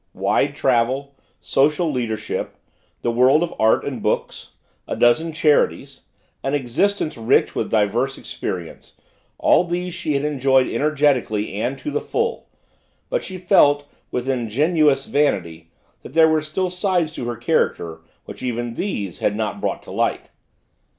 Wide travel, social leadership, the world of art and books, a dozen charities, an existence rich with diverse experience all these she had enjoyed energetically and to the full but she felt, with ingenious vanity, that there were still sides to her character which even these had not brought to light.